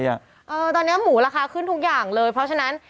ตอนนี้หมูราคาขึ้นทุกอย่างเลยเพราะฉะนั้น